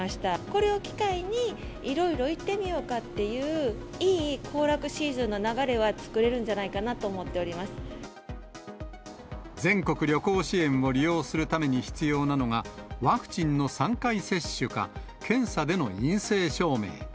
これを機会に、いろいろ行ってみようかっていう、いい行楽シーズンの流れは作れる全国旅行支援を利用するために必要なのが、ワクチンの３回接種か、検査での陰性証明。